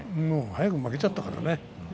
早くに負けちゃったからね。